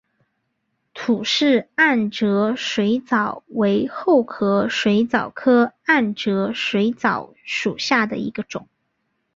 吐氏暗哲水蚤为厚壳水蚤科暗哲水蚤属下的一个种。